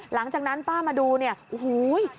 หลังจากนั้นป้ามาดูฮู้ย